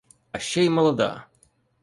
А ще й молода!